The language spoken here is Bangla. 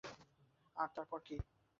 আর তারপর কী?